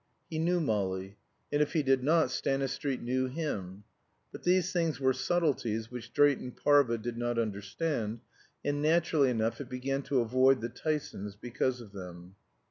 He knew Molly, and if he did not, Stanistreet knew him. But these things were subtleties which Drayton Parva did not understand, and naturally enough it began to avoid the Tysons because of them.